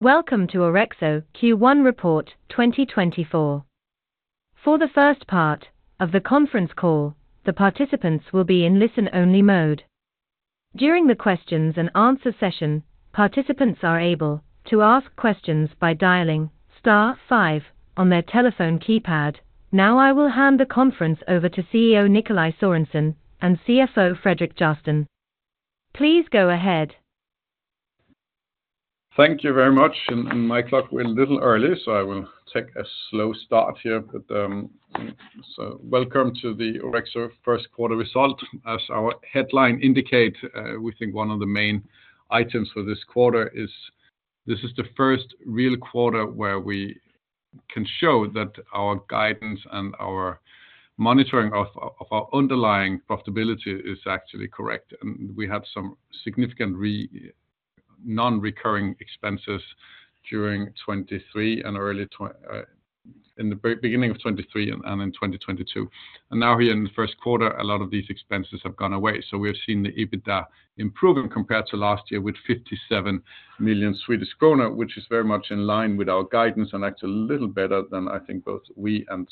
Welcome to Orexo Q1 Report 2024. For the first part of the conference call, the participants will be in listen-only mode. During the questions-and-answer session, participants are able to ask questions by dialing *5* on their telephone keypad. Now I will hand the conference over to CEO Nikolaj Sørensen and CFO Fredrik Järrsten. Please go ahead. Thank you very much, and my clock went a little early, so I will take a slow start here. So welcome to the Orexo Q1 result. As our headline indicates, we think one of the main items for this quarter is this is the first real quarter where we can show that our guidance and our monitoring of our underlying profitability is actually correct. We had some significant non-recurring expenses during 2023 and early 2020, in the beginning of 2023 and in 2022. Now here in the Q1, a lot of these expenses have gone away. So we have seen the EBITDA improving compared to last year with 57 million Swedish kronor, which is very much in line with our guidance and actually a little better than, I think, both we and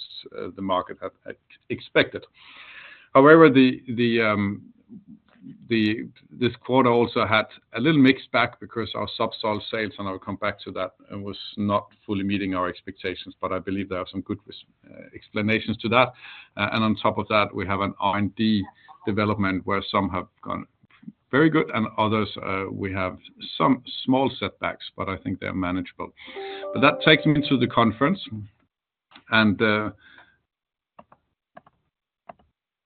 the market had expected. However, this quarter also had a little mixed bag because our ZUBSOLV sales, and I'll come back to that, was not fully meeting our expectations. But I believe there are some good reasons to that. And on top of that, we have an R&D development where some have gone very good and others, we have some small setbacks, but I think they're manageable. But that takes me to the conference.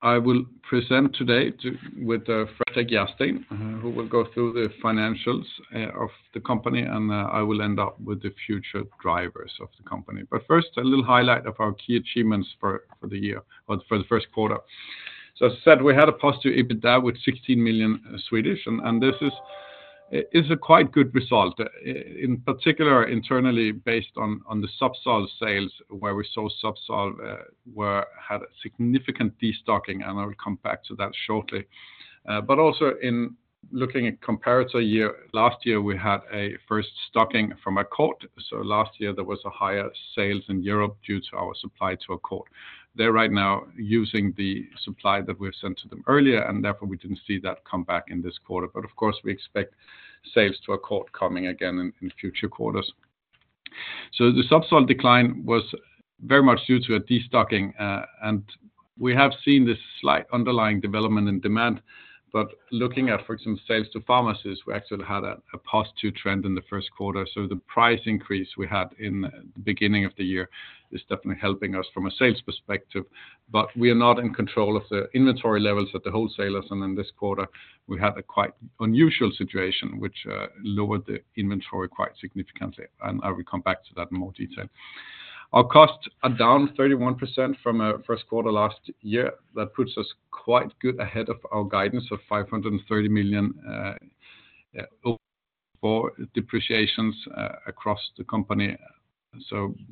And I will present today together with Fredrik Järrsten, who will go through the financials of the company, and I will end up with the future drivers of the company. But first, a little highlight of our key achievements for the year or for the Q1. So as I said, we had a positive EBITDA with 16 million, and this is a quite good result, in particular internally based on the Zubsolv sales where we saw Zubsolv, we had significant destocking, and I will come back to that shortly. But also in looking at comparable year, last year we had a first stocking from Accord. So last year there was a higher sales in Europe due to our supply to Accord. They're right now using the supply that we've sent to them earlier, and therefore we didn't see that come back in this quarter. But of course, we expect sales to Accord coming again in future quarters. So the Zubsolv decline was very much due to a destocking, and we have seen this slight underlying development in demand. But looking at, for example, sales to pharmacies, we actually had a positive trend in the Q1. The price increase we had in the beginning of the year is definitely helping us from a sales perspective. We are not in control of the inventory levels at the wholesalers. In this quarter, we had a quite unusual situation, which lowered the inventory quite significantly, and I will come back to that in more detail. Our costs are down 31% from Q1 last year. That puts us quite good ahead of our guidance of 530 million or for depreciations across the company.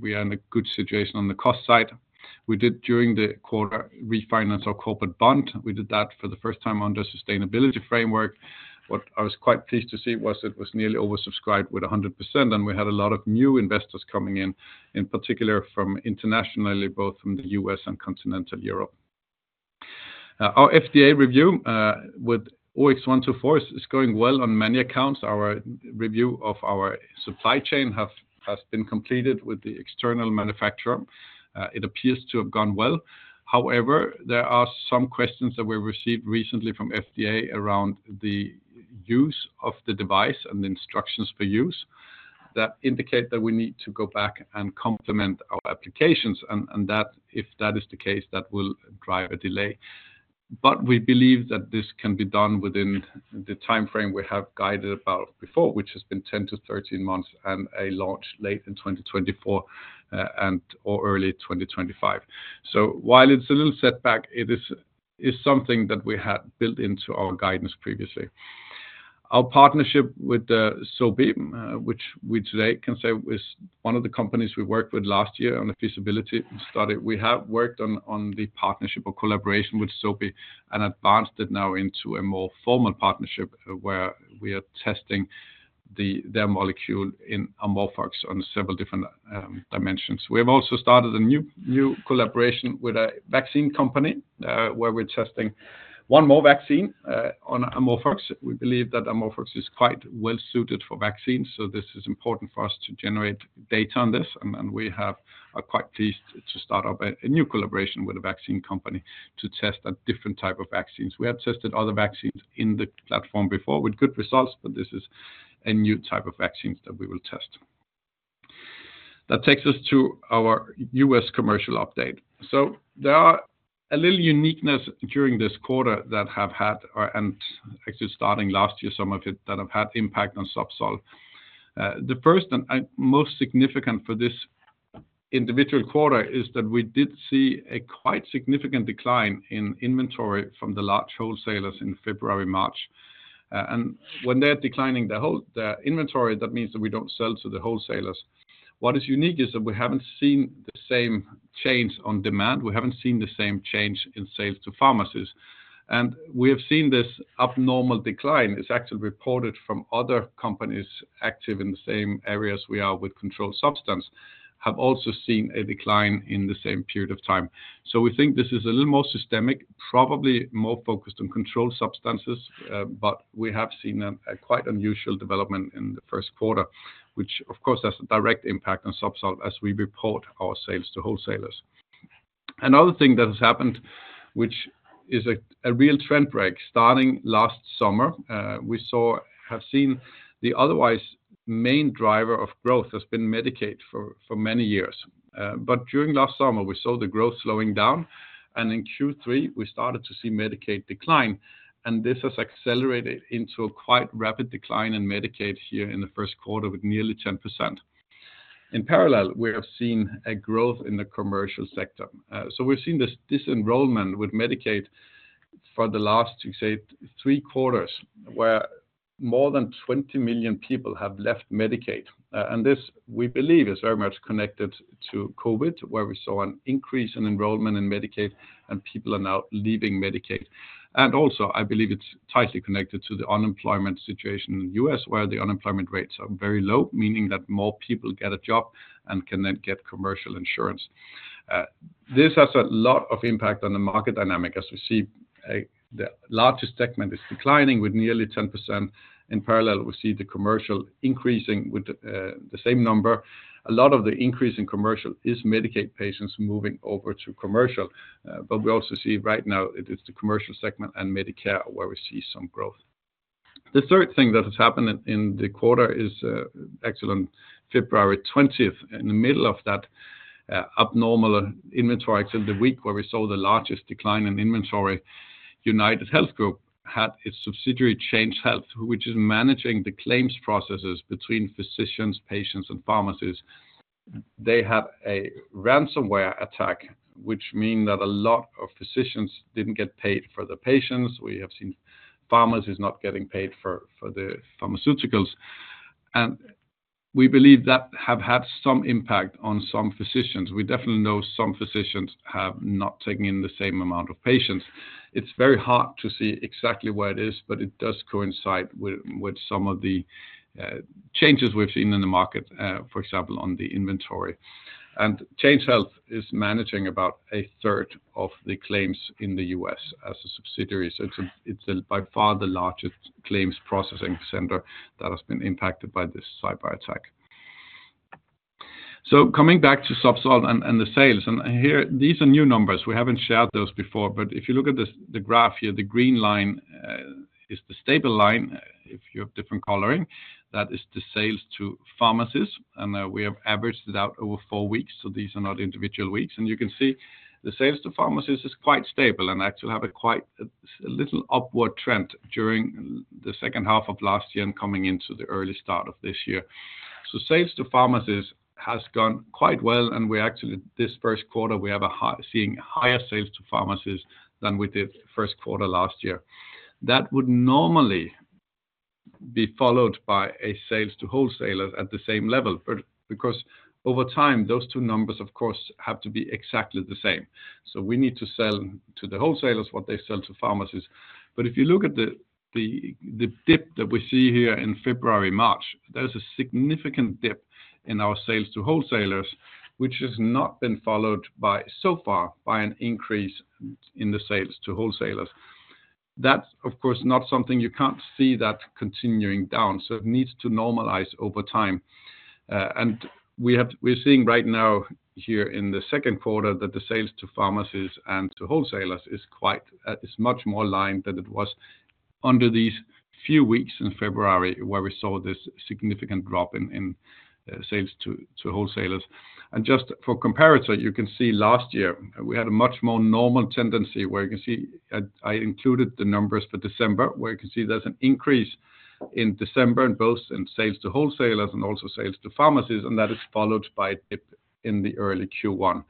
We are in a good situation on the cost side. We did during the quarter refinance our corporate bond. We did that for the first time under a sustainability framework. What I was quite pleased to see was it was nearly oversubscribed with 100%, and we had a lot of new investors coming in, in particular from internationally, both from the U.S. and continental Europe. Our FDA review with OX124 is going well on many accounts. Our review of our supply chain has been completed with the external manufacturer. It appears to have gone well. However, there are some questions that we received recently from FDA around the use of the device and the instructions for use that indicate that we need to go back and complement our applications, and that if that is the case, that will drive a delay. But we believe that this can be done within the timeframe we have guided about before, which has been 10-13 months and a launch late in 2024, and/or early 2025. So while it's a little setback, it is something that we had built into our guidance previously. Our partnership with Sobi, which we today can say is one of the companies we worked with last year on the feasibility study. We have worked on the partnership or collaboration with Sobi and advanced it now into a more formal partnership, where we are testing their molecule in amorphOX on several different dimensions. We have also started a new collaboration with a vaccine company, where we're testing one more vaccine on amorphOX. We believe that amorphOX is quite well-suited for vaccines, so this is important for us to generate data on this. And we are quite pleased to start up a new collaboration with a vaccine company to test a different type of vaccines. We have tested other vaccines in the platform before with good results, but this is a new type of vaccines that we will test. That takes us to our US commercial update. So there are a little uniqueness during this quarter that have had, and actually starting last year, some of it that have had impact on Zubsolv. The first and most significant for this individual quarter is that we did see a quite significant decline in inventory from the large wholesalers in February, March. And when they're declining the inventory, that means that we don't sell to the wholesalers. What is unique is that we haven't seen the same change in demand. We haven't seen the same change in sales to pharmacies. And we have seen this abnormal decline. It's actually reported from other companies active in the same areas we are with controlled substances have also seen a decline in the same period of time. So we think this is a little more systemic, probably more focused on controlled substances, but we have seen a quite unusual development in the Q1, which of course has a direct impact on Zubsolv as we report our sales to wholesalers. Another thing that has happened, which is a real trend break starting last summer, we have seen the otherwise main driver of growth has been Medicaid for many years. But during last summer, we saw the growth slowing down, and in Q3, we started to see Medicaid decline, and this has accelerated into a quite rapid decline in Medicaid here in the Q1 with nearly 10%. In parallel, we have seen a growth in the commercial sector. So we've seen this disenrollment with Medicaid for the last, you could say, three quarters where more than 20 million people have left Medicaid. And this we believe is very much connected to COVID where we saw an increase in enrollment in Medicaid, and people are now leaving Medicaid. And also, I believe it's tightly connected to the unemployment situation in the U.S. where the unemployment rates are very low, meaning that more people get a job and can then get commercial insurance. This has a lot of impact on the market dynamic as we see, the largest segment is declining with nearly 10%. In parallel, we see the commercial increasing with the same number. A lot of the increase in commercial is Medicaid patients moving over to commercial. But we also see right now it is the commercial segment and Medicare where we see some growth. The third thing that has happened in, in the quarter is, actually on February 20th, in the middle of that, abnormal inventory, actually the week where we saw the largest decline in inventory, UnitedHealth Group had its subsidiary Change Healthcare, which is managing the claims processes between physicians, patients, and pharmacies. They had a ransomware attack, which means that a lot of physicians didn't get paid for their patients. We have seen pharmacies not getting paid for, for the pharmaceuticals. And we believe that have had some impact on some physicians. We definitely know some physicians have not taken in the same amount of patients. It's very hard to see exactly where it is, but it does coincide with, with some of the, changes we've seen in the market, for example, on the inventory. And Change Healthcare is managing about a third of the claims in the U.S. as a subsidiary. So it's a it's a by far the largest claims processing center that has been impacted by this cyberattack. So coming back to Zubsolv and, and the sales, and here these are new numbers. We haven't shared those before. But if you look at this, the graph here, the green line, is the stable line, if you have different coloring. That is the sales to pharmacies. And, we have averaged it out over four weeks. So these are not individual weeks. You can see the sales to pharmacies is quite stable and actually have quite a little upward trend during the second half of last year and coming into the early start of this year. So sales to pharmacies has gone quite well, and we actually this Q1, we have seen higher sales to pharmacies than we did Q1 last year. That would normally be followed by sales to wholesalers at the same level, but because over time, those two numbers, of course, have to be exactly the same. So we need to sell to the wholesalers what they sell to pharmacies. But if you look at the dip that we see here in February, March, there's a significant dip in our sales to wholesalers, which has not been followed so far by an increase in the sales to wholesalers. That's, of course, not something you can't see that continuing down. So it needs to normalize over time. And we're seeing right now here in the Q2 that the sales to pharmacies and to wholesalers is quite, is much more aligned than it was under these few weeks in February where we saw this significant drop in sales to wholesalers. And just for comparison, you can see last year we had a much more normal tendency where you can see I, I included the numbers for December where you can see there's an increase in December in both in sales to wholesalers and also sales to pharmacies, and that is followed by a dip in the early Q1.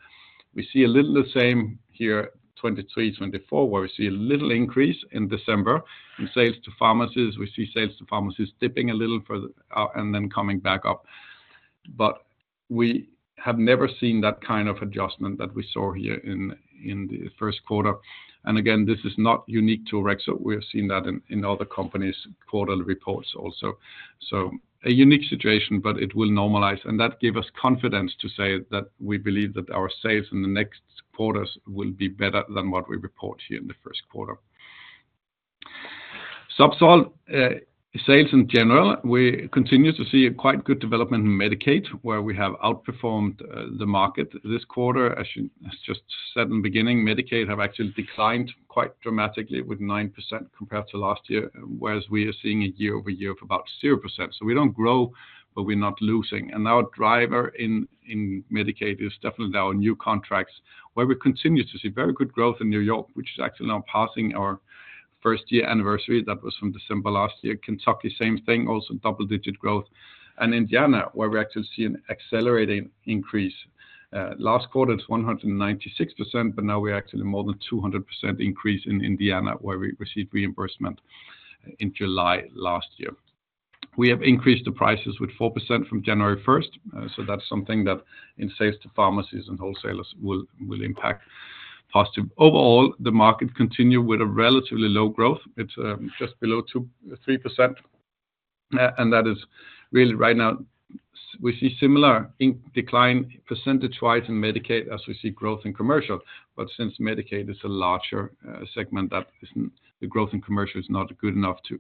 We see a little the same here 2023, 2024 where we see a little increase in December in sales to pharmacies. We see sales to pharmacies dipping a little for the, and then coming back up. But we have never seen that kind of adjustment that we saw here in the Q1. And again, this is not unique to Orexo. We have seen that in other companies' quarterly reports also. So a unique situation, but it will normalize. And that gave us confidence to say that we believe that our sales in the next quarters will be better than what we report here in the Q1. Zubsolv sales in general, we continue to see a quite good development in Medicaid where we have outperformed the market this quarter. As you just said in the beginning, Medicaid have actually declined quite dramatically with 9% compared to last year, whereas we are seeing a year-over-year of about 0%. So we don't grow, but we're not losing. Now a driver in Medicaid is definitely new contracts where we continue to see very good growth in New York, which is actually now passing our first year anniversary. That was from December last year. Kentucky, same thing, also double-digit growth. And Indiana where we actually see an accelerating increase. Last quarter it's 196%, but now we actually more than 200% increase in Indiana where we received reimbursement, in July last year. We have increased the prices with 4% from January 1st. So that's something that in sales to pharmacies and wholesalers will impact positive. Overall, the market continue with a relatively low growth. It's just below 2%-3%. And that is really right now we see similar in-kind decline percentage-wise in Medicaid as we see growth in commercial. But since Medicaid is a larger segment, that isn't the growth in commercial is not good enough to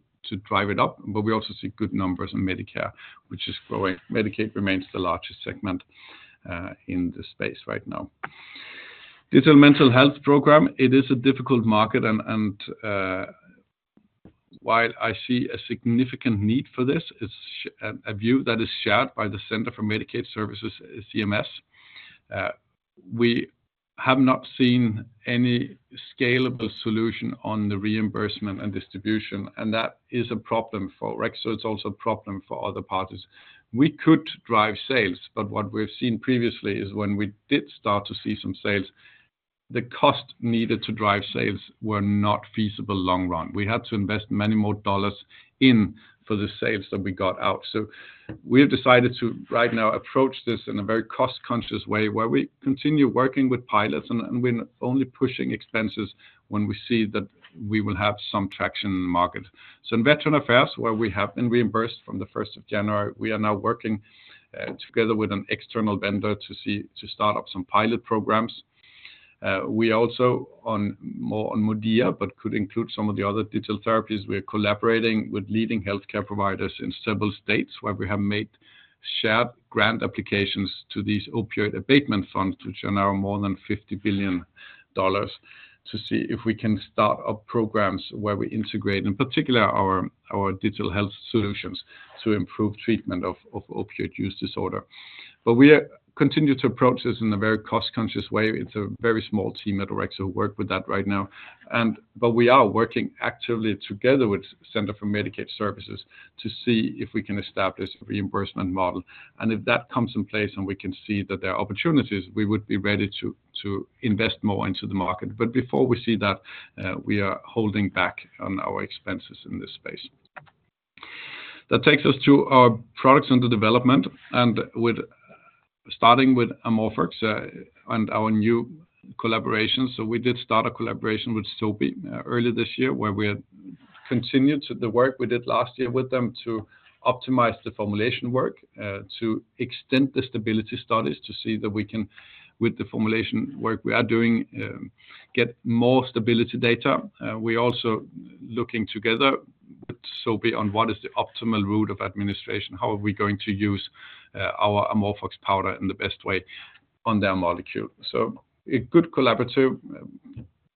drive it up. We also see good numbers in Medicare, which is growing. Medicaid remains the largest segment in the space right now. Digital mental health program, it is a difficult market and while I see a significant need for this, it's a view that is shared by the Center for Medicaid Services, CMS. We have not seen any scalable solution on the reimbursement and distribution, and that is a problem for Orexo. It's also a problem for other parties. We could drive sales, but what we've seen previously is when we did start to see some sales, the cost needed to drive sales were not feasible long run. We had to invest many more dollars in for the sales that we got out. So we have decided to right now approach this in a very cost-conscious way where we continue working with pilots and we're only pushing expenses when we see that we will have some traction in the market. So in Veterans Affairs where we have been reimbursed from the 1st of January, we are now working together with an external vendor to see to start up some pilot programs. We also on more on MODIA, but could include some of the other digital therapies. We are collaborating with leading healthcare providers in several states where we have made shared grant applications to these opioid abatement funds, which are now more than $50 billion, to see if we can start up programs where we integrate, in particular, our digital health solutions to improve treatment of opioid use disorder. But we continue to approach this in a very cost-conscious way. It's a very small team at Orexo who work with that right now. But we are working actively together with Center for Medicaid Services to see if we can establish a reimbursement model. If that comes in place and we can see that there are opportunities, we would be ready to, to invest more into the market. But before we see that, we are holding back on our expenses in this space. That takes us to our products under development, starting with amorphOX, and our new collaboration. We did start a collaboration with Sobi early this year where we continue to the work we did last year with them to optimize the formulation work, to extend the stability studies to see that we can, with the formulation work we are doing, get more stability data. We are also looking together with Sobi on what is the optimal route of administration. How are we going to use our amorphOX powder in the best way on their molecule? So a good collaborative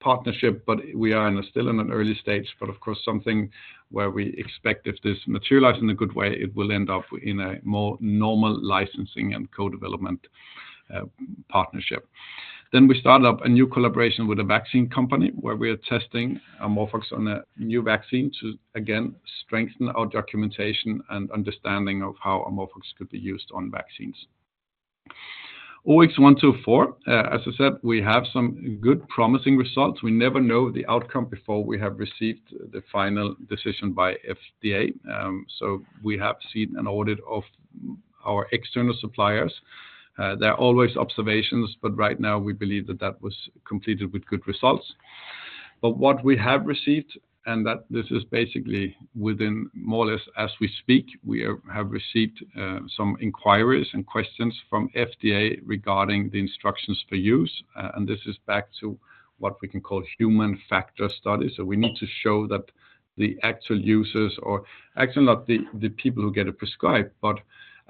partnership, but we are still in an early stage, but of course something where we expect if this materializes in a good way, it will end up in a more normal licensing and co-development partnership. Then we started up a new collaboration with a vaccine company where we are testing amorphOX on a new vaccine to again strengthen our documentation and understanding of how amorphOX could be used on vaccines. OX124, as I said, we have some good promising results. We never know the outcome before we have received the final decision by FDA. So we have seen an audit of our external suppliers. There are always observations, but right now we believe that that was completed with good results. But what we have received, and that this is basically within more or less as we speak, we have received some inquiries and questions from FDA regarding the instructions for use. And this is back to what we can call human factor studies. So we need to show that the actual users or actually not the people who get it prescribed, but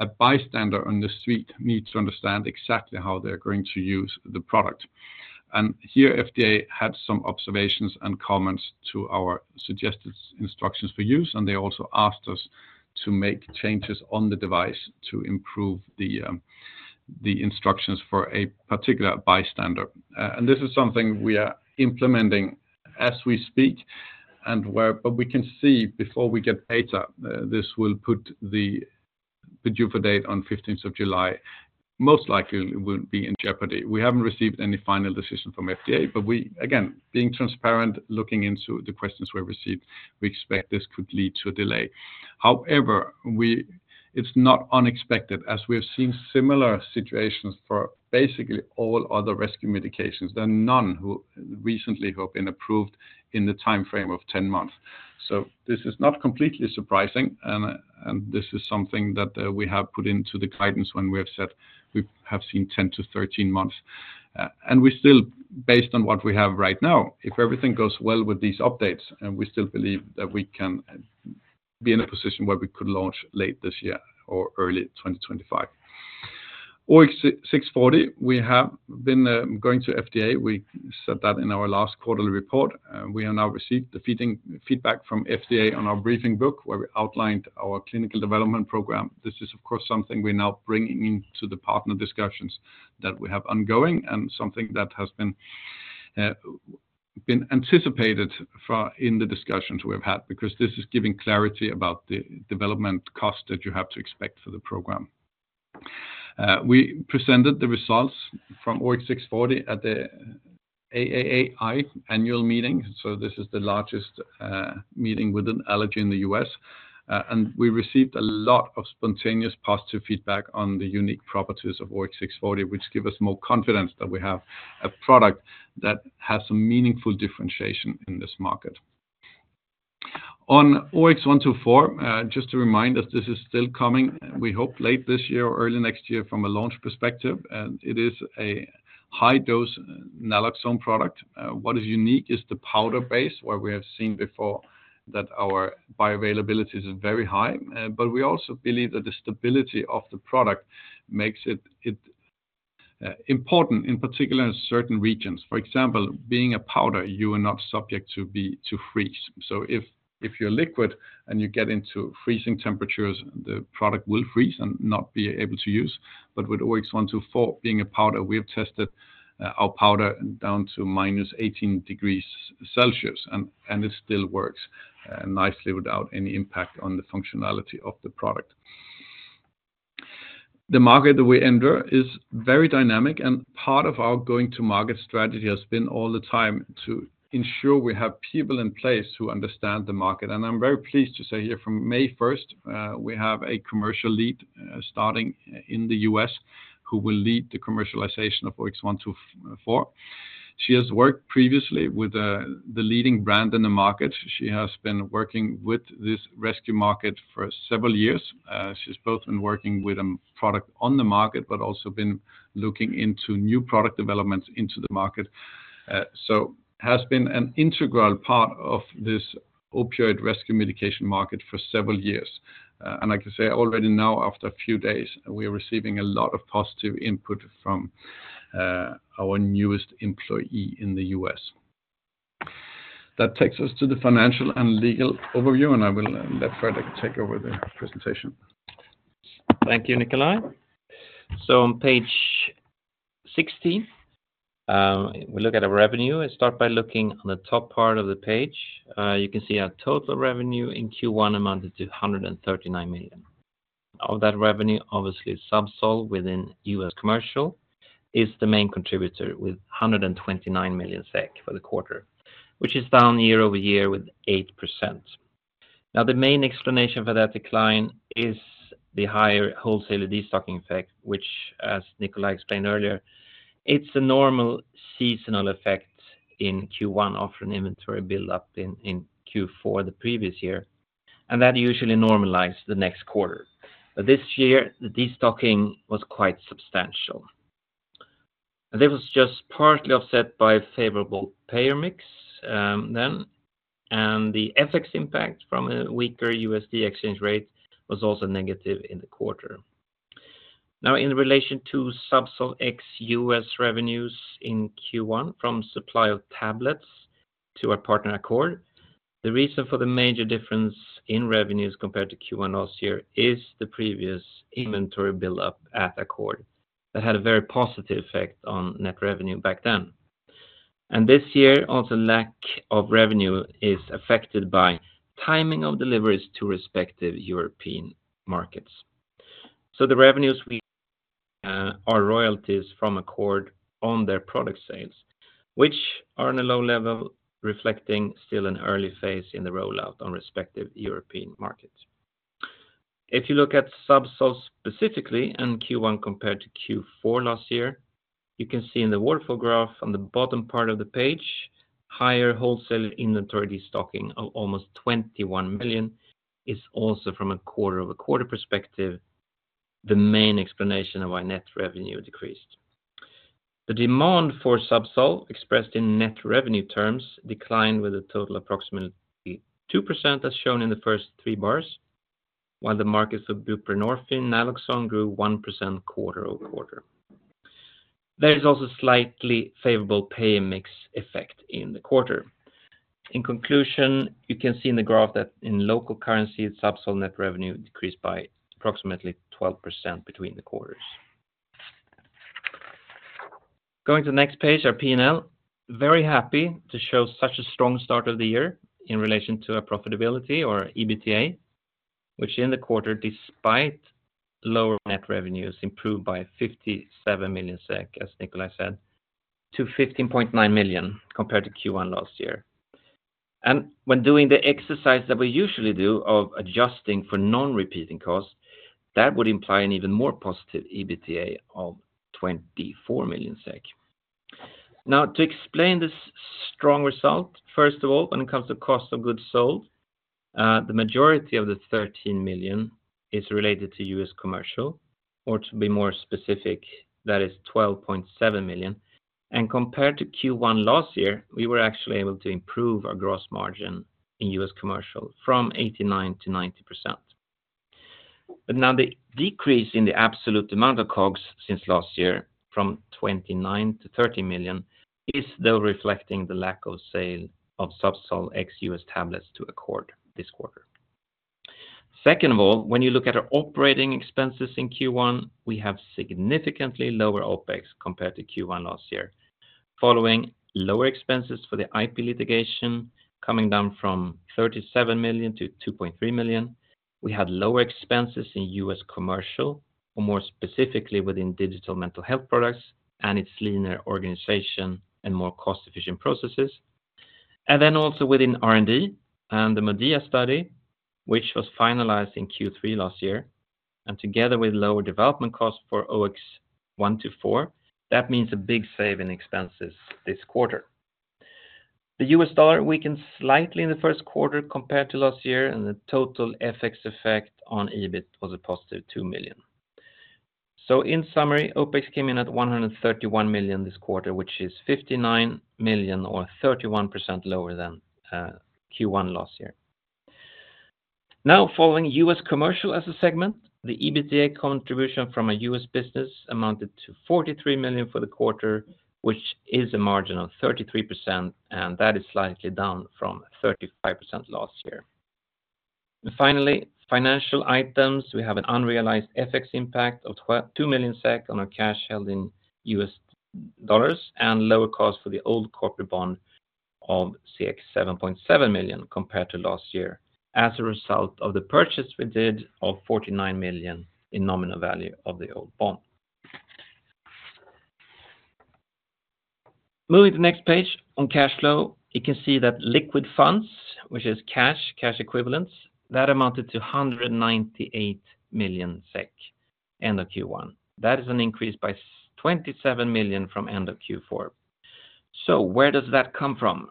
a bystander on the street needs to understand exactly how they're going to use the product. And here FDA had some observations and comments to our suggested instructions for use, and they also asked us to make changes on the device to improve the instructions for a particular bystander. This is something we are implementing as we speak, and we can see, before we get data, this will put the PDUFA date on 15th of July. Most likely it wouldn't be in jeopardy. We haven't received any final decision from FDA, but we again, being transparent, looking into the questions we received, we expect this could lead to a delay. However, it's not unexpected as we have seen similar situations for basically all other rescue medications. There are none who recently have been approved in the timeframe of 10 months. So this is not completely surprising, and this is something that we have put into the guidance when we have said we have seen 10-13 months. We still, based on what we have right now, if everything goes well with these updates, and we still believe that we can be in a position where we could launch late this year or early 2025. OX640, we have been going to FDA. We said that in our last quarterly report. We have now received the final feedback from FDA on our briefing book where we outlined our clinical development program. This is, of course, something we're now bringing into the partner discussions that we have ongoing and something that has been anticipated for in the discussions we have had because this is giving clarity about the development cost that you have to expect for the program. We presented the results from OX640 at the AAAI annual meeting. So this is the largest allergy meeting in the US. We received a lot of spontaneous positive feedback on the unique properties of OX640, which gives us more confidence that we have a product that has some meaningful differentiation in this market. On OX124, just to remind us, this is still coming. We hope late this year or early next year from a launch perspective. It is a high-dose naloxone product. What is unique is the powder base where we have seen before that our bioavailability is very high. But we also believe that the stability of the product makes it important in particular in certain regions. For example, being a powder, you are not subject to freezing. So if you're liquid and you get into freezing temperatures, the product will freeze and not be able to use. But with OX124, being a powder, we have tested our powder down to -18 degrees Celsius, and it still works nicely without any impact on the functionality of the product. The market that we enter is very dynamic, and part of our going-to-market strategy has been all the time to ensure we have people in place who understand the market. I'm very pleased to say here from May 1st, we have a commercial lead starting in the U.S. who will lead the commercialization of OX124. She has worked previously with the leading brand in the market. She has been working with this rescue market for several years. She's both been working with a product on the market, but also been looking into new product developments into the market. So has been an integral part of this opioid rescue medication market for several years. And like I say, already now after a few days, we are receiving a lot of positive input from our newest employee in the US. That takes us to the financial and legal overview, and I will let Fredrik take over the presentation. Thank you, Nikolaj. So on page 16, we look at our revenue. I start by looking on the top part of the page. You can see our total revenue in Q1 amounted to 139 million. Of that revenue, obviously, ZUBSOLV within US commercial is the main contributor with 129 million SEK for the quarter, which is down year-over-year with 8%. Now, the main explanation for that decline is the higher wholesale destocking effect, which, as Nikolaj explained earlier, it's a normal seasonal effect in Q1 following inventory buildup in Q4 the previous year, and that usually normalizes the next quarter. But this year, the destocking was quite substantial. And this was just partly offset by a favorable payer mix, then, and the FX impact from a weaker USD exchange rate was also negative in the quarter. Now, in relation to Zubsolv ex-US revenues in Q1 from supply of tablets to our partner Accord, the reason for the major difference in revenues compared to Q1 last year is the previous inventory buildup at Accord that had a very positive effect on net revenue back then. And this year, also lack of revenue is affected by timing of deliveries to respective European markets. So the revenues are royalties from Accord on their product sales, which are on a low level, reflecting still an early phase in the rollout on respective European markets. If you look at ZUBSOLV specifically and Q1 compared to Q4 last year, you can see in the waterfall graph on the bottom part of the page, higher wholesale inventory destocking of almost $21 million is also from a quarter-over-quarter perspective, the main explanation of why net revenue decreased. The demand for ZUBSOLV expressed in net revenue terms declined with a total approximately 2% as shown in the first three bars, while the markets for buprenorphine/naloxone grew 1% quarter-over-quarter. There's also slightly favorable payer mix effect in the quarter. In conclusion, you can see in the graph that in local currency, ZUBSOLV net revenue decreased by approximately 12% between the quarters. Going to the next page, our P&L, very happy to show such a strong start of the year in relation to our profitability or EBITDA, which in the quarter, despite lower net revenues improved by 57 million SEK, as Nikolaj said, to 15.9 million compared to Q1 last year. And when doing the exercise that we usually do of adjusting for non-repeating costs, that would imply an even more positive EBITDA of 24 million SEK. Now, to explain this strong result, first of all, when it comes to cost of goods sold, the majority of the 13 million is related to US commercial, or to be more specific, that is 12.7 million. And compared to Q1 last year, we were actually able to improve our gross margin in US commercial from 89%-90%. But now the decrease in the absolute amount of COGS since last year from 29 million to 30 million is though reflecting the lack of sale of Zubsolv ex-U.S. tablets to Accord this quarter. Second of all, when you look at our operating expenses in Q1, we have significantly lower OpEx compared to Q1 last year, following lower expenses for the IP litigation coming down from 37 million to 2.3 million. We had lower expenses in U.S. commercial, or more specifically within digital mental health products and its leaner organization and more cost-efficient processes. And then also within R&D and the MODIA study, which was finalized in Q3 last year, and together with lower development costs for OX124, that means a big save in expenses this quarter. The US dollar weakened slightly in the Q1 compared to last year, and the total FX effect on EBIT was a positive 2 million. So in summary, OpEx came in at 131 million this quarter, which is 59 million or 31% lower than Q1 last year. Now, following US commercial as a segment, the EBITDA contribution from a US business amounted to 43 million for the quarter, which is a margin of 33%, and that is slightly down from 35% last year. And finally, financial items, we have an unrealized FX impact of 2 million SEK on our cash held in US dollars and lower cost for the old corporate bond of 7.7 million compared to last year as a result of the purchase we did of 49 million in nominal value of the old bond. Moving to the next page, on cash flow, you can see that liquid funds, which is cash, cash equivalents, that amounted to 198 million SEK end of Q1. That is an increase by 27 million from end of Q4. So where does that come from?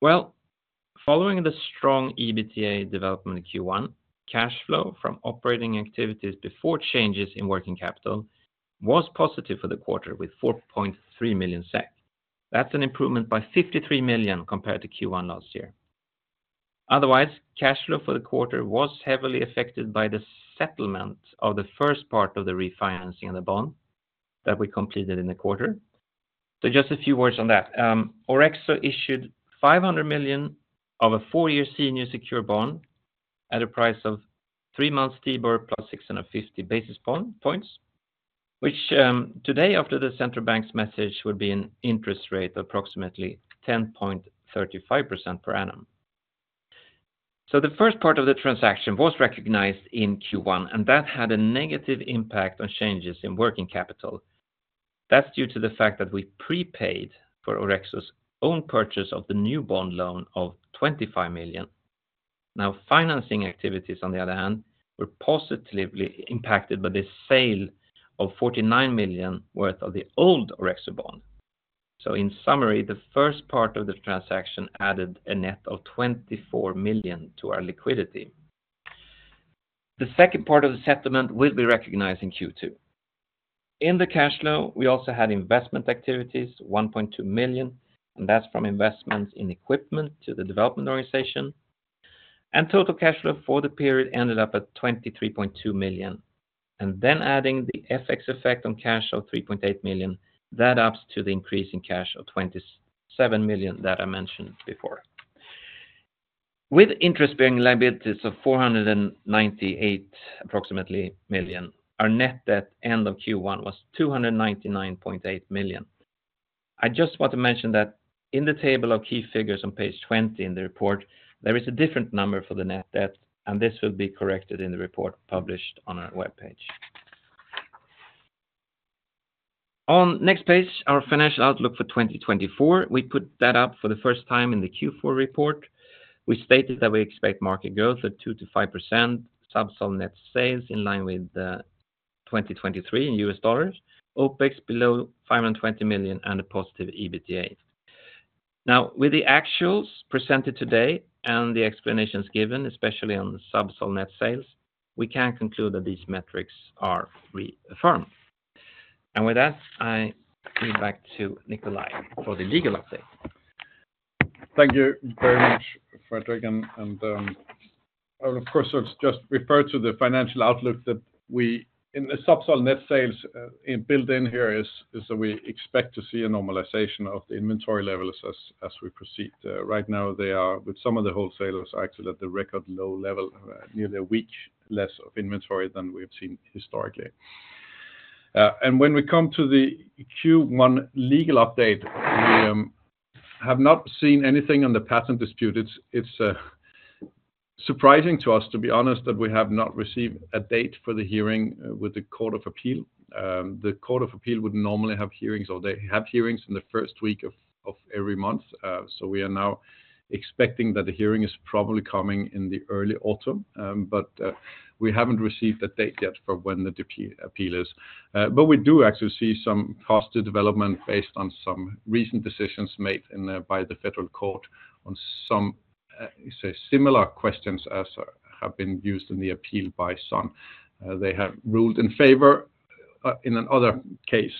Well, following the strong EBITDA development in Q1, cash flow from operating activities before changes in working capital was positive for the quarter with 4.3 million SEK. That's an improvement by 53 million compared to Q1 last year. Otherwise, cash flow for the quarter was heavily affected by the settlement of the first part of the refinancing of the bond that we completed in the quarter. So just a few words on that. Orexo issued 500 million of a four-year senior secure bond at a price of 3-month STIBOR plus 650 basis points, which, today after the central bank's message would be an interest rate of approximately 10.35% per annum. So the first part of the transaction was recognized in Q1, and that had a negative impact on changes in working capital. That's due to the fact that we prepaid for Orexo's own purchase of the new bond loan of 25 million. Now, financing activities, on the other hand, were positively impacted by the sale of 49 million worth of the old Orexo bond. So in summary, the first part of the transaction added a net of 24 million to our liquidity. The second part of the settlement will be recognized in Q2. In the cash flow, we also had investment activities, 1.2 million, and that's from investments in equipment to the development organization. Total cash flow for the period ended up at 23.2 million. Then adding the FX effect on cash of 3.8 million, that ups to the increase in cash of 27 million that I mentioned before. With interest-bearing liabilities of approximately 498 million, our net debt end of Q1 was 299.8 million. I just want to mention that in the table of key figures on page 20 in the report, there is a different number for the net debt, and this will be corrected in the report published on our web page. On next page, our financial outlook for 2024, we put that up for the first time in the Q4 report. We stated that we expect market growth at 2%-5%, Zubsolv net sales in line with 2023 in US dollars, OpEx below 520 million, and a positive EBITDA. Now, with the actuals presented today and the explanations given, especially on Zubsolv net sales, we can conclude that these metrics are reaffirmed. With that, I hand back to Nikolaj for the legal update. Thank you very much, Fredrik. And I will, of course, sort of just refer to the financial outlook that we in the Zubsolv net sales, built in here is that we expect to see a normalization of the inventory levels as we proceed. Right now they are with some of the wholesalers actually at the record low level, nearly a week less of inventory than we have seen historically. When we come to the Q1 legal update, we have not seen anything on the patent dispute. It's surprising to us, to be honest, that we have not received a date for the hearing with the Court of Appeal. The Court of Appeal would normally have hearings, or they have hearings in the first week of every month. So we are now expecting that the hearing is probably coming in the early autumn. But we haven't received a date yet for when the appeal is. But we do actually see some positive development based on some recent decisions made by the Federal Court on some, say, similar questions as have been used in the appeal by Sun. They have ruled in favor in another case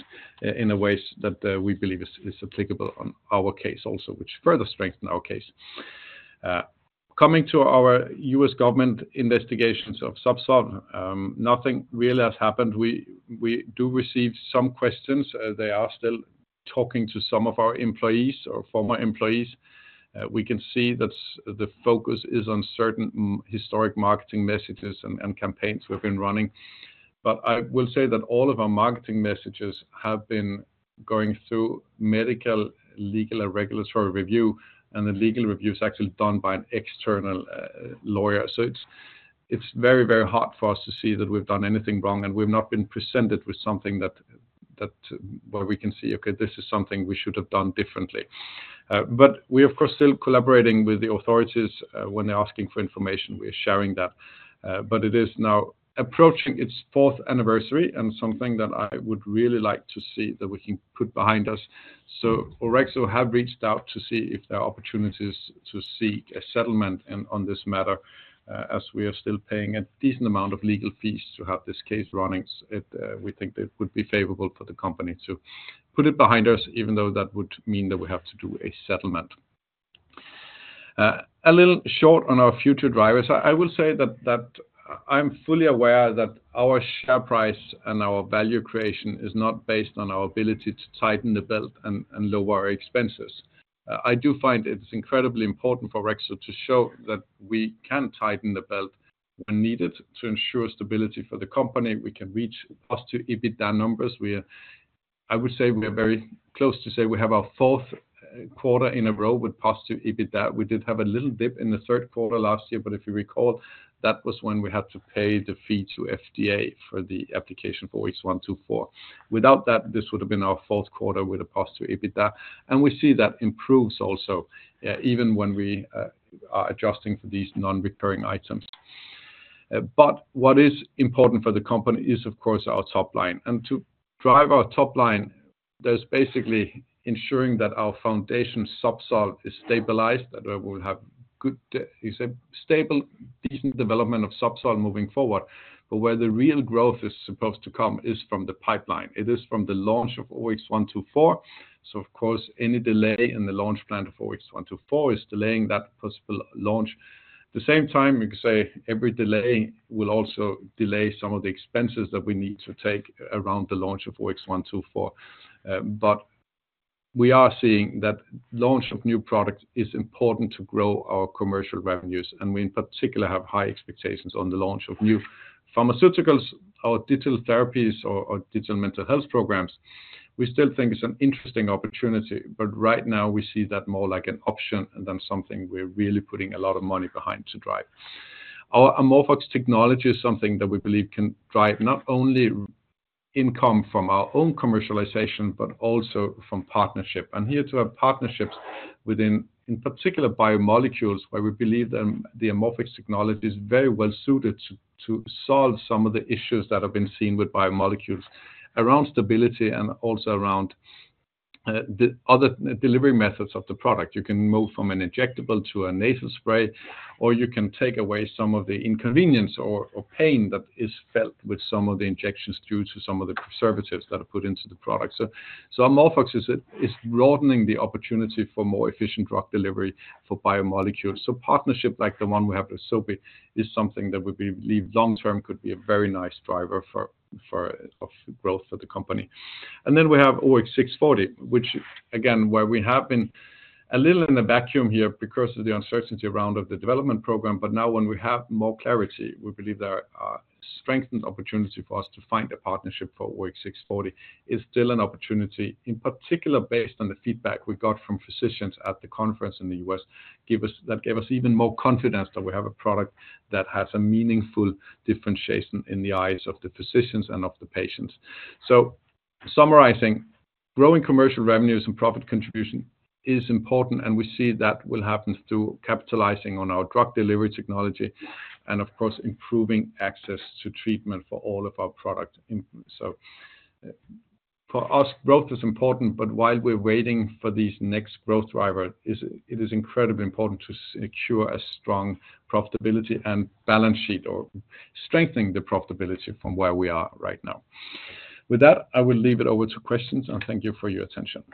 in ways that we believe is applicable on our case also, which further strengthen our case. Coming to our U.S. government investigations of Zubsolv, nothing really has happened. We, we do receive some questions. They are still talking to some of our employees or former employees. We can see that the focus is on certain historic marketing messages and, and campaigns we've been running. But I will say that all of our marketing messages have been going through medical, legal, and regulatory review, and the legal review's actually done by an external lawyer. So it's, it's very, very hard for us to see that we've done anything wrong, and we've not been presented with something that, that where we can see, okay, this is something we should have done differently. But we are, of course, still collaborating with the authorities when they're asking for information. We are sharing that. But it is now approaching its fourth anniversary and something that I would really like to see that we can put behind us. So Orexo have reached out to see if there are opportunities to seek a settlement in on this matter, as we are still paying a decent amount of legal fees to have this case running. It, we think that would be favorable for the company to put it behind us, even though that would mean that we have to do a settlement. A little short on our future drivers, I, I will say that, that I'm fully aware that our share price and our value creation is not based on our ability to tighten the belt and, and lower our expenses. I do find it's incredibly important for Orexo to show that we can tighten the belt when needed to ensure stability for the company. We can reach positive EBITDA numbers. We are, I would say we are very close to say we have our Q4 in a row with positive EBITDA. We did have a little dip in the Q3 last year, but if you recall, that was when we had to pay the fee to FDA for the application for weeks 1 through 4. Without that, this would have been our Q4 with a positive EBITDA. And we see that improves also, even when we are adjusting for these non-recurring items. But what is important for the company is, of course, our top line. And to drive our top line, there's basically ensuring that our foundation Zubsolv is stabilized, that we will have good, you say, stable, decent development of Zubsolv moving forward. But where the real growth is supposed to come is from the pipeline. It is from the launch of OX124. So, of course, any delay in the launch plan of OX124 is delaying that possible launch. At the same time, you could say every delay will also delay some of the expenses that we need to take around the launch of OX124. But we are seeing that launch of new products is important to grow our commercial revenues, and we in particular have high expectations on the launch of new pharmaceuticals, our digital therapies or, or digital mental health programs. We still think it's an interesting opportunity, but right now we see that more like an option than something we're really putting a lot of money behind to drive. Our amorphOX technology is something that we believe can drive not only income from our own commercialization, but also from partnership. Here to have partnerships within, in particular, biomolecules, where we believe that the AmorphOX technology is very well suited to solve some of the issues that have been seen with biomolecules around stability and also around the other delivery methods of the product. You can move from an injectable to a nasal spray, or you can take away some of the inconvenience or pain that is felt with some of the injections due to some of the preservatives that are put into the product. So AmorphOX is broadening the opportunity for more efficient drug delivery for biomolecules. So partnership like the one we have with Sobi is something that we believe long-term could be a very nice driver for growth for the company. And then we have OX640, which again, where we have been a little in a vacuum here because of the uncertainty around of the development program, but now when we have more clarity, we believe there are, are strengthened opportunity for us to find a partnership for OX640 is still an opportunity, in particular based on the feedback we got from physicians at the conference in the US, give us that gave us even more confidence that we have a product that has a meaningful differentiation in the eyes of the physicians and of the patients. So summarizing, growing commercial revenues and profit contribution is important, and we see that will happen through capitalizing on our drug delivery technology and, of course, improving access to treatment for all of our product in. So, for us, growth is important, but while we're waiting for these next growth driver, it is incredibly important to secure a strong profitability and balance sheet or strengthening the profitability from where we are right now. With that, I will leave it over to questions, and thank you for your attention.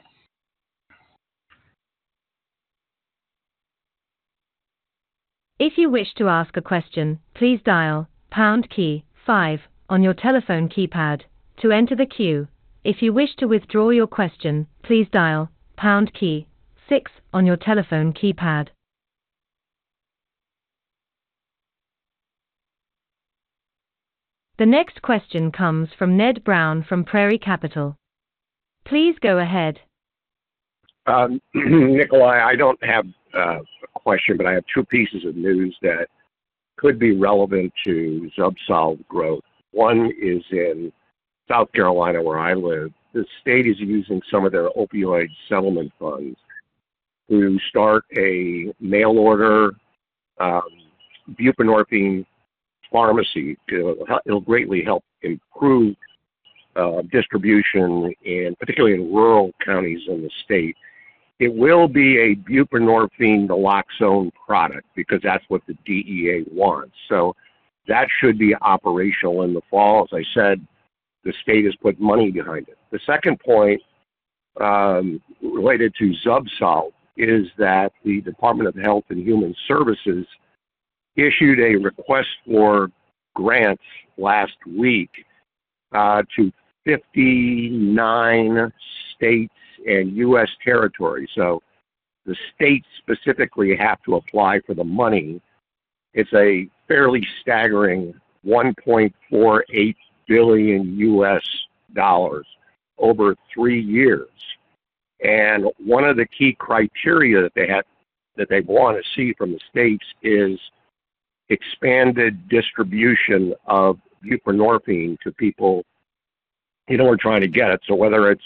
If you wish to ask a question, please dial pound key 5 on your telephone keypad to enter the queue. If you wish to withdraw your question, please dial pound key 6 on your telephone keypad. The next question comes from Ned Brown from Prairie Capital. Please go ahead. Nikolaj, I don't have a question, but I have two pieces of news that could be relevant to ZUBSOLV growth. One is in South Carolina where I live. The state is using some of their opioid settlement funds to start a mail-order buprenorphine pharmacy. It'll greatly help improve distribution, particularly in rural counties in the state. It will be a buprenorphine naloxone product because that's what the DEA wants. So that should be operational in the fall. As I said, the state has put money behind it. The second point, related to Zubsolv, is that the Department of Health and Human Services issued a request for grants last week, to 59 states and US territories. So the states specifically have to apply for the money. It's a fairly staggering $1.48 billion over three years. And one of the key criteria that they have that they want to see from the states is expanded distribution of buprenorphine to people, you know, who are trying to get it. So whether it's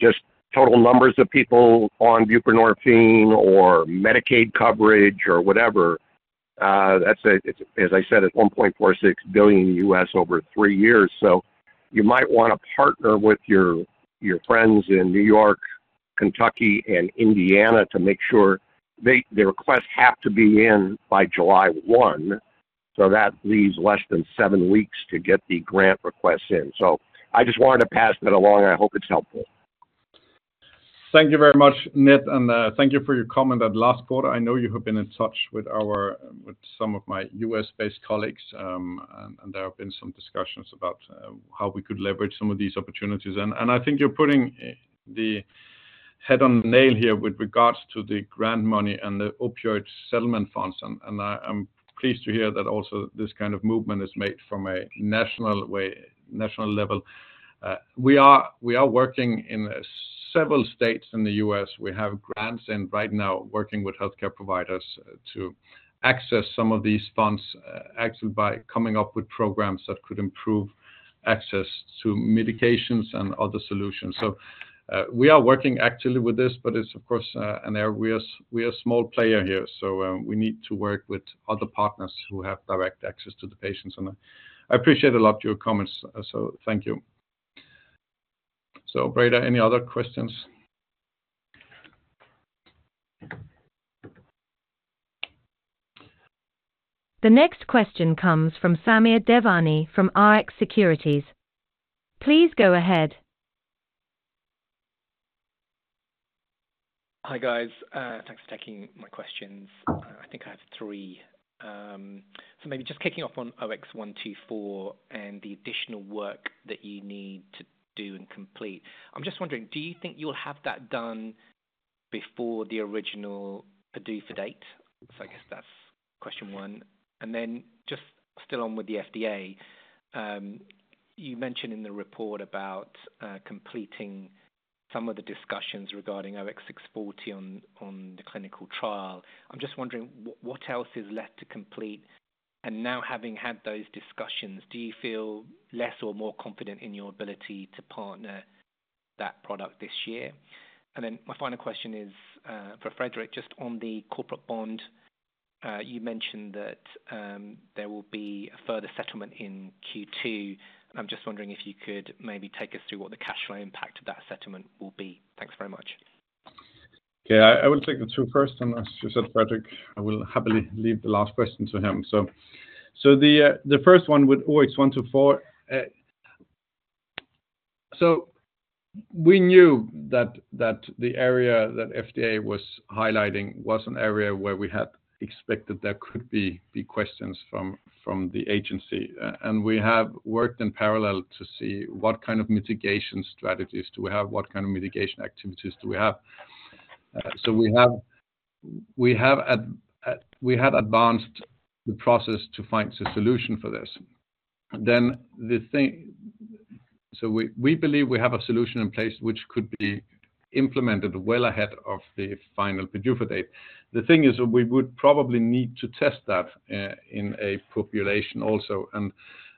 just total numbers of people on buprenorphine or Medicaid coverage or whatever, that's, as I said, it's $1.46 billion over three years. So you might want to partner with your, your friends in New York, Kentucky, and Indiana to make sure they the requests have to be in by July 1. So that leaves less than seven weeks to get the grant request in. So I just wanted to pass that along. I hope it's helpful. Thank you very much, Ned. And, thank you for your comment that last quarter. I know you have been in touch with our with some of my U.S.-based colleagues, and, and there have been some discussions about, how we could leverage some of these opportunities. And, and I think you're putting the head on the nail here with regards to the grant money and the opioid settlement funds. I am pleased to hear that also this kind of movement is made from a national way, national level. We are working in several states in the US. We have grants in place right now working with healthcare providers to access some of these funds, actually by coming up with programs that could improve access to medications and other solutions. So, we are working actually with this, but it's, of course, an area we are a small player here. So, we need to work with other partners who have direct access to the patients. And I appreciate a lot your comments. So thank you. So, Breda, any other questions? The next question comes from Samir Devani from RX Securities. Please go ahead. Hi, guys. Thanks for taking my questions. I think I have three. So maybe just kicking off on OX124 and the additional work that you need to do and complete. I'm just wondering, do you think you'll have that done before the original PDUFA date? So I guess that's question one. And then just still on with the FDA, you mentioned in the report about completing some of the discussions regarding OX640 on the clinical trial. I'm just wondering what else is left to complete. And now having had those discussions, do you feel less or more confident in your ability to partner that product this year? And then my final question is, for Fredrik, just on the corporate bond, you mentioned that there will be a further settlement in Q2. And I'm just wondering if you could maybe take us through what the cash flow impact of that settlement will be. Thanks very much. Okay. I will take the two first. And as you said, Fredrik, I will happily leave the last question to him. So the first one with OX124, so we knew that the area that FDA was highlighting was an area where we had expected there could be questions from the agency. And we have worked in parallel to see what kind of mitigation strategies do we have? What kind of mitigation activities do we have? So we have advanced the process to find a solution for this. Then the thing, so we believe we have a solution in place which could be implemented well ahead of the final PDUFA date. The thing is, we would probably need to test that in a population also. And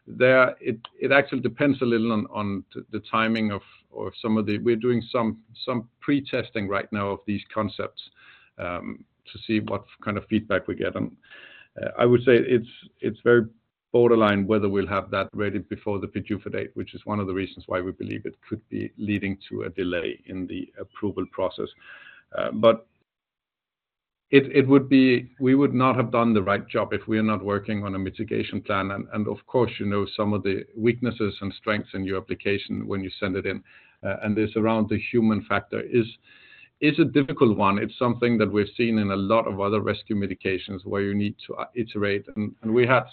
there it actually depends a little on the timing of some of the we're doing some pretesting right now of these concepts, to see what kind of feedback we get. And I would say it's very borderline whether we'll have that ready before the PDUFA date, which is one of the reasons why we believe it could be leading to a delay in the approval process. But it would be we would not have done the right job if we are not working on a mitigation plan. And of course, you know, some of the weaknesses and strengths in your application when you send it in, and this around the human factor is a difficult one. It's something that we've seen in a lot of other rescue mitigations where you need to iterate. We had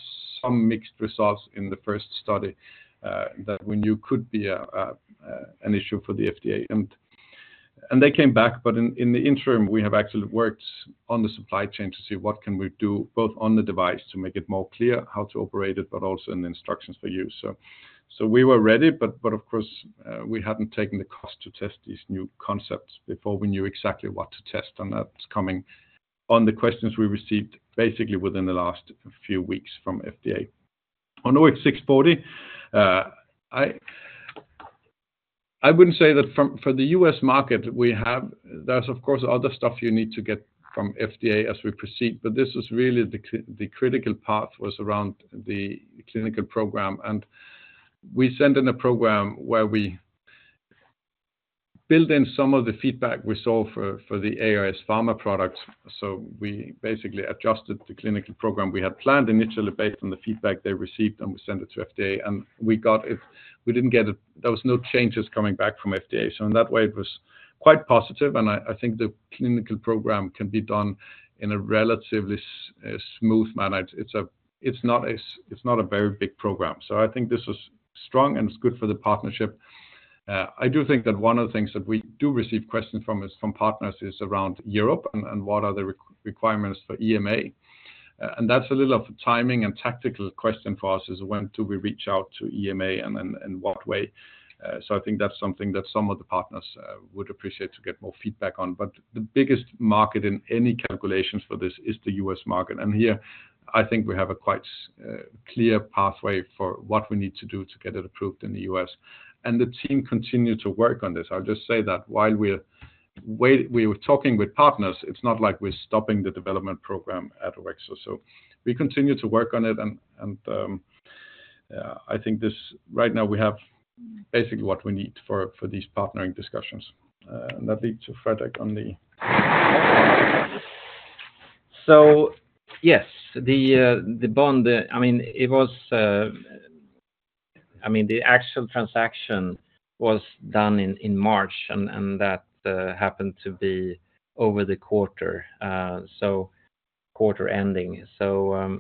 some mixed results in the first study, that we knew could be an issue for the FDA. And they came back. But in the interim, we have actually worked on the supply chain to see what can we do both on the device to make it more clear how to operate it, but also in the instructions for use. So we were ready, but of course, we hadn't taken the cost to test these new concepts before we knew exactly what to test. And that's coming on the questions we received basically within the last few weeks from FDA. On OX640, I wouldn't say that for the US market, we have; there's, of course, other stuff you need to get from FDA as we proceed. But this is really the critical path was around the clinical program. And we sent in a program where we built in some of the feedback we saw for the ARS pharma products. So we basically adjusted the clinical program we had planned initially based on the feedback they received, and we sent it to FDA. And we got it. We didn't get it. There was no changes coming back from FDA. So in that way, it was quite positive. And I think the clinical program can be done in a relatively smooth manner. It's not a very big program. So I think this was strong, and it's good for the partnership. I do think that one of the things that we do receive questions from is from partners is around Europe and what are the requirements for EMA. That's a little of a timing and tactical question for us: when do we reach out to EMA and what way? So I think that's something that some of the partners would appreciate to get more feedback on. But the biggest market in any calculations for this is the U.S. market. Here I think we have a quite clear pathway for what we need to do to get it approved in the U.S. And the team continue to work on this. I'll just say that while we were talking with partners, it's not like we're stopping the development program at Orexo. So we continue to work on it. And yeah, I think this right now we have basically what we need for these partnering discussions. And that leads to Fredrik on the. So yes, the bond, I mean, the actual transaction was done in March. And that happened to be over the quarter, so quarter ending. So,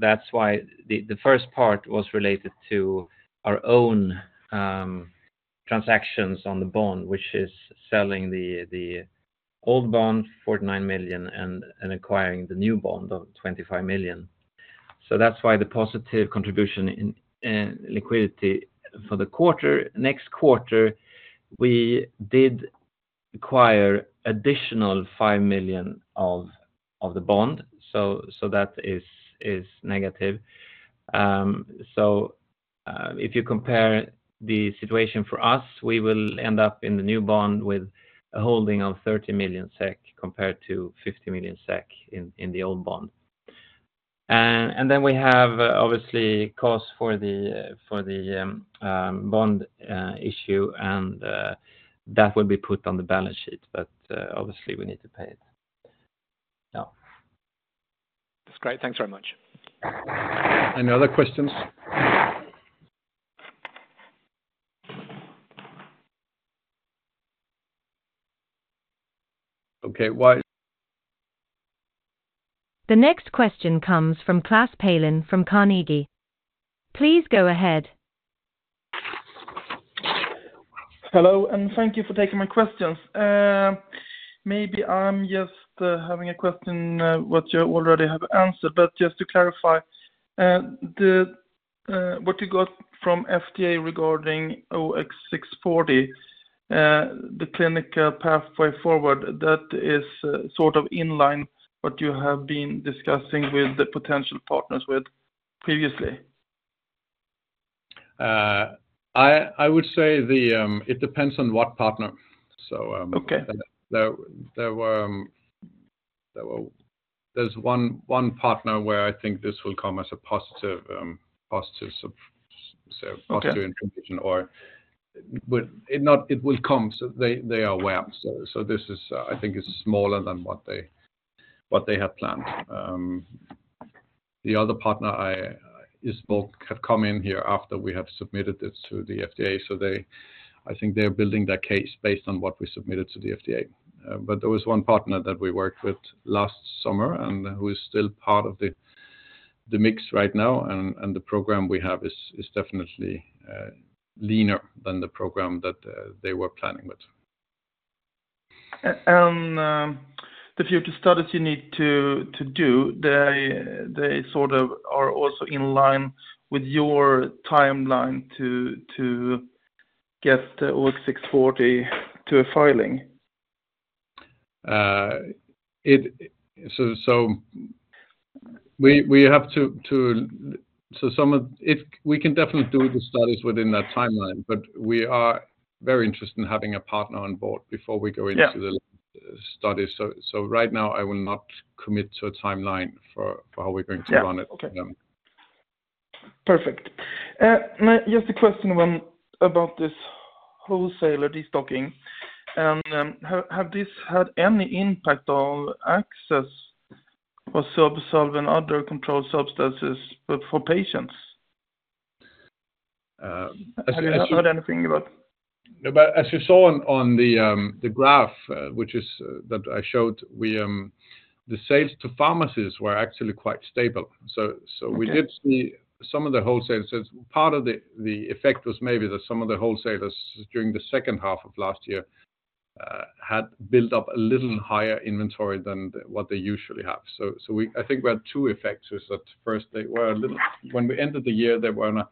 that's why the first part was related to our own transactions on the bond, which is selling the old bond, 49 million, and acquiring the new bond of 25 million. So that's why the positive contribution in liquidity for the quarter. Next quarter, we did acquire additional 5 million of the bond. So that is negative. So, if you compare the situation for us, we will end up in the new bond with a holding of 30 million SEK compared to 50 million SEK in the old bond. And then we have, obviously, cost for the bond issue. And that will be put on the balance sheet. But obviously we need to pay it. Yeah. That's great. Thanks very much. Any other questions? Okay. The next question comes from Klas Palin from Carnegie. Please go ahead. Hello, and thank you for taking my questions. Maybe I'm just having a question what you already have answered. But just to clarify, what you got from FDA regarding OX640, the clinical pathway forward, that is sort of in line with what you have been discussing with the potential partners previously? I would say it depends on what partner. So, okay. There is one partner where I think this will come as a positive surprise so positive information. Or would it not? It will come. So they are aware. So this is, I think it's smaller than what they had planned. The other partners you spoke of have come in here after we have submitted it to the FDA. So they, I think, they're building their case based on what we submitted to the FDA. But there was one partner that we worked with last summer and who is still part of the mix right now. And the program we have is definitely leaner than the program that they were planning with. And the future studies you need to do, they sort of are also in line with your timeline to get the OX640 to a filing? So, so we have to do some of it. We can definitely do the studies within that timeline. But we are very interested in having a partner on board before we go into the studies. So right now I will not commit to a timeline for how we're going to run it. Okay. Perfect. Just one question about this wholesaler destocking. And has this had any impact on access for Zubsolv, other controlled substances for patients? As you have. Have you heard anything about. No, but as you saw on the graph that I showed, the sales to pharmacies were actually quite stable. So we did see some of the wholesalers as part of the effect was maybe that some of the wholesalers during the second half of last year had built up a little higher inventory than what they usually have. So we, I think we had two effects. Is that first, they were a little when we ended the year, they were on a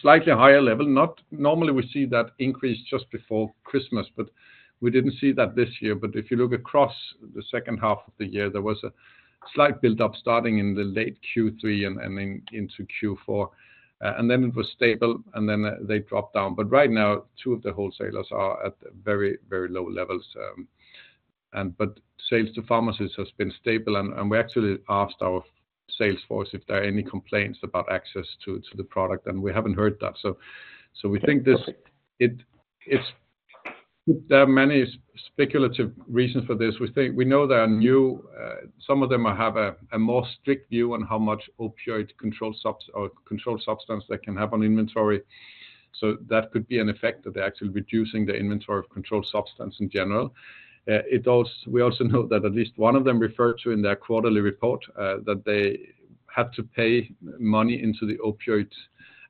slightly higher level. Not normally we see that increase just before Christmas. But we didn't see that this year. But if you look across the second half of the year, there was a slight buildup starting in the late Q3 and into Q4. And then it was stable. And then they dropped down. But right now, 2 of the wholesalers are at very, very low levels. But sales to pharmacies has been stable. And we actually asked our sales force if there are any complaints about access to the product. And we haven't heard that. So we think this, it's there are many speculative reasons for this. We think we know there are new, some of them have a more strict view on how much opioid controlled subs or controlled substance they can have on inventory. So that could be an effect that they're actually reducing their inventory of controlled substance in general. It also we also know that at least one of them referred to in their quarterly report, that they had to pay money into the opioid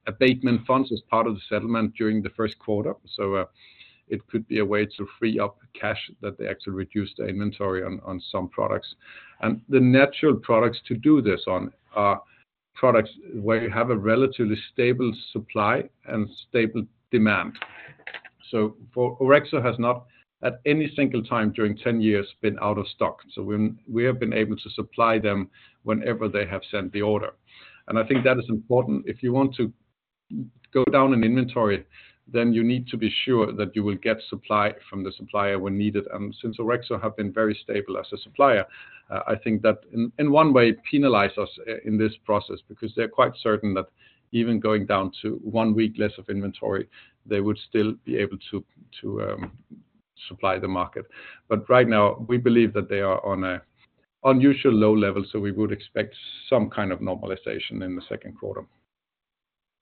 abatement funds as part of the settlement during the Q1. So, it could be a way to free up cash that they actually reduce their inventory on, on some products. And the natural products to do this on are products where you have a relatively stable supply and stable demand. So for Orexo has not at any single time during 10 years been out of stock. So we've we have been able to supply them whenever they have sent the order. And I think that is important. If you want to go down in inventory, then you need to be sure that you will get supply from the supplier when needed. And since Orexo have been very stable as a supplier, I think that in one way, penalize us in this process because they're quite certain that even going down to one week less of inventory, they would still be able to supply the market. But right now, we believe that they are on a unusual low level. So we would expect some kind of normalization in the Q2.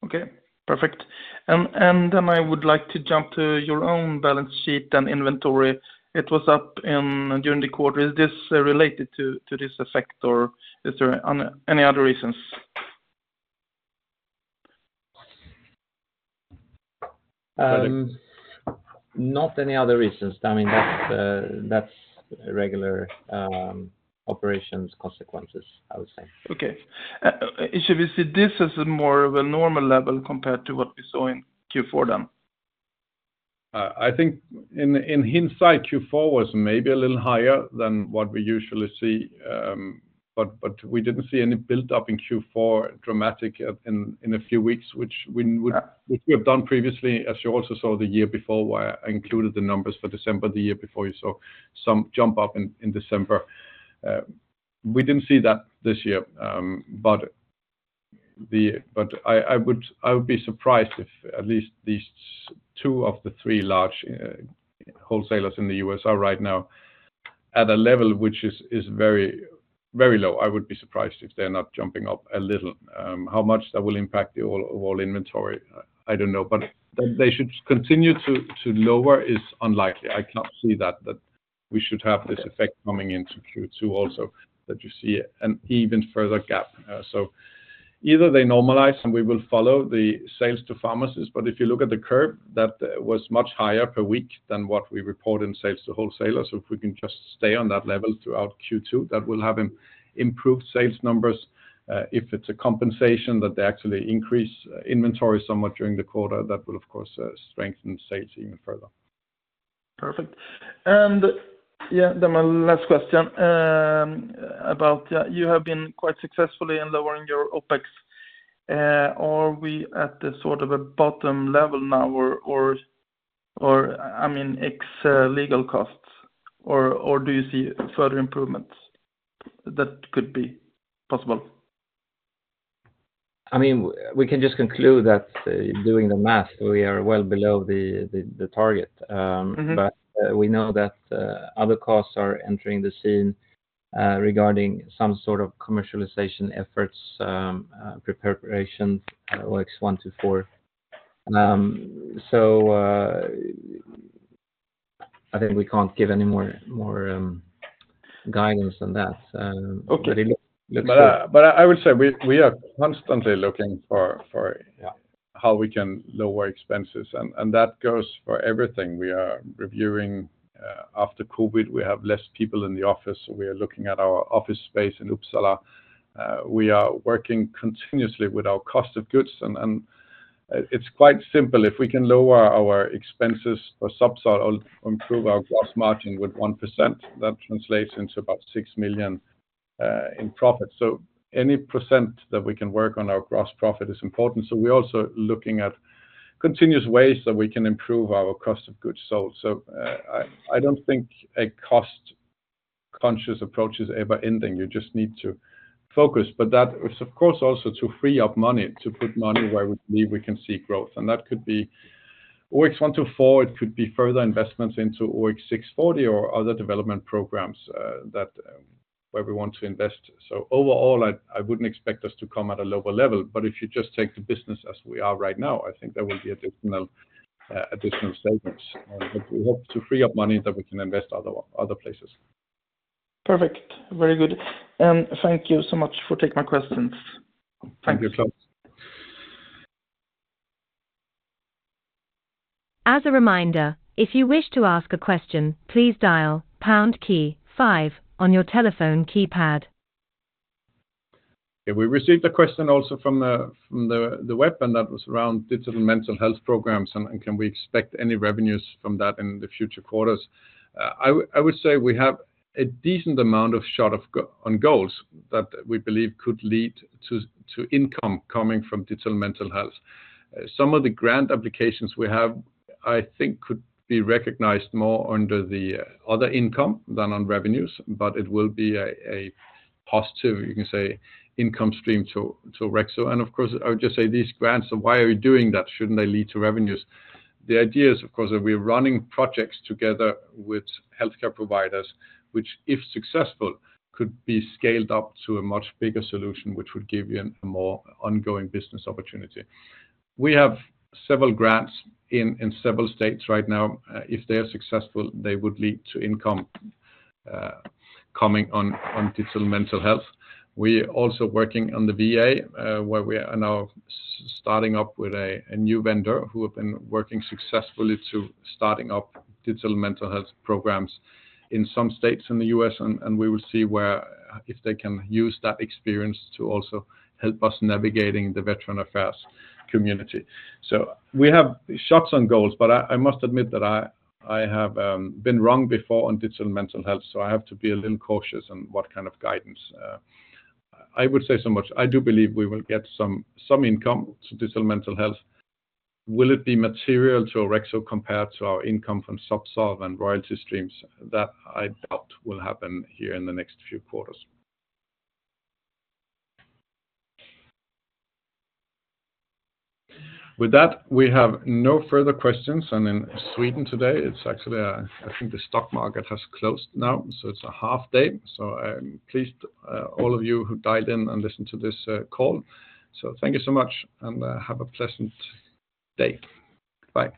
Okay. Perfect. And then I would like to jump to your own balance sheet and inventory. It was up during the quarter. Is this related to this effect, or is there any other reasons? Not any other reasons. I mean, that's regular operations consequences, I would say. Okay. Should we see this as more of a normal level compared to what we saw in Q4 then? I think in hindsight, Q4 was maybe a little higher than what we usually see. But we didn't see any buildup in Q4 dramatic in a few weeks, which we have done previously, as you also saw the year before where I included the numbers for December the year before you saw some jump up in December. We didn't see that this year. But I would be surprised if at least these two of the three large wholesalers in the U.S. are right now at a level which is very, very low. I would be surprised if they're not jumping up a little. How much that will impact all of the inventory, I don't know. That they should continue to lower is unlikely. I cannot see that we should have this effect coming into Q2 or that you see an even further gap. Either they normalize and we will follow the sales to pharmacies. But if you look at the curve, that was much higher per week than what we report in sales to wholesalers. If we can just stay on that level throughout Q2, that will have improved sales numbers. If it is a compensation that they actually increase inventory somewhat during the quarter, that will, of course, strengthen sales even further. Perfect. And yeah, then my last question, about yeah, you have been quite successfully in lowering your OpEx. Are we at the sort of a bottom level now, or I mean, ex-legal costs? Or do you see further improvements that could be possible? I mean, we can just conclude that, doing the math, we are well below the target. But we know that other costs are entering the scene, regarding some sort of commercialization efforts, preparations, OX124. So, I think we can't give any more guidance than that But I will say we are constantly looking for, yeah, how we can lower expenses. And that goes for everything. We are reviewing, after COVID, we have less people in the office. So we are looking at our office space in Uppsala. We are working continuously with our cost of goods. And it's quite simple. If we can lower our expenses for Zubsolv or improve our gross margin with 1%, that translates into about 6 million in profit. So any percent that we can work on our gross profit is important. So we're also looking at continuous ways that we can improve our cost of goods sold. So, I don't think a cost-conscious approach is ever ending. You just need to focus. But that is, of course, also to free up money, to put money where we believe we can see growth. And that could be OX124. It could be further investments into OX640 or other development programs, that where we want to invest. So overall, I wouldn't expect us to come at a lower level. But if you just take the business as we are right now, I think there will be additional savings. And we hope to free up money that we can invest other places. Perfect. Very good. Thank you so much for taking my questions. Thanks. You're welcome. As a reminder, if you wish to ask a question, please dial pound key 5 on your telephone keypad. Yeah, we received a question also from the web. And that was around digital mental health programs. And can we expect any revenues from that in the future quarters? I would say we have a decent amount of shot of go on goals that we believe could lead to income coming from digital mental health. Some of the grant applications we have, I think, could be recognized more under the other income than on revenues. But it will be a positive, you can say, income stream to Orexo. And of course, I would just say these grants, why are you doing that? Shouldn't they lead to revenues? The idea is, of course, that we're running projects together with healthcare providers, which, if successful, could be scaled up to a much bigger solution, which would give you a more ongoing business opportunity. We have several grants in several states right now. If they are successful, they would lead to income coming on digital mental health. We are also working on the VA, where we are now starting up with a new vendor who have been working successfully to starting up digital mental health programs in some states in the US. And we will see where if they can use that experience to also help us navigating the Veteran Affairs community. So we have shots on goals. But I must admit that I have been wrong before on digital mental health. So I have to be a little cautious on what kind of guidance. I would say so much. I do believe we will get some, some income to digital mental health. Will it be material to Orexo compared to our income from Zubsolv royalty streams? That I doubt will happen here in the next few quarters. With that, we have no further questions. And in Sweden today, it's actually a—I think the stock market has closed now. So it's a half day. So I'm pleased, all of you who dialed in and listened to this call. So thank you so much. And have a pleasant day. Bye.